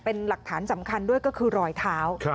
เป็นหลักฐานสำคัญด้วยก็คือรอยเท้า